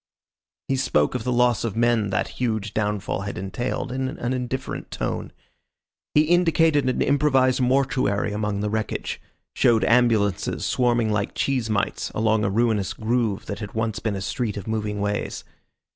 He spoke of the loss of men that huge downfall had entailed in an indifferent tone. He indicated an improvised mortuary among the wreckage, showed ambulances swarming like cheese mites along a ruinous groove that had once been a street of moving ways.